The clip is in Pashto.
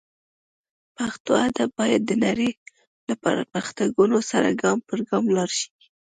پښتو ادب باید د نړۍ له پرمختګونو سره ګام پر ګام لاړ شي